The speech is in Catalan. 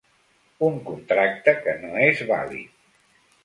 Un contracte que no és vàlid.